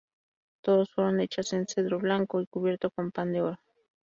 Todas fueron hechas en cedro blanco y cubierto con pan de oro.